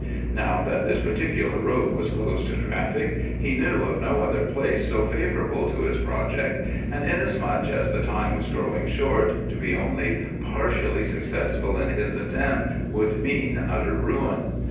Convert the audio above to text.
Now that this particular road was closed to traffic, he knew of no other place so favorable to his project, and, inasmuch as the time was growing short, to be only partially successful in his attempt would mean utter ruin.